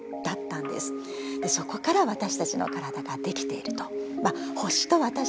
そこからわたしたちの体ができていると。